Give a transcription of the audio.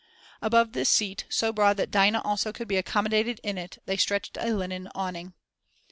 Above this seat, so broad that Dinah also could be accommodated in it, they stretched a linen awning.